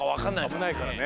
あぶないからね。